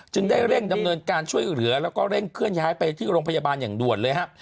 ได้เร่งดำเนินการช่วยเหลือแล้วก็เร่งเคลื่อนย้ายไปที่โรงพยาบาลอย่างด่วนเลยครับ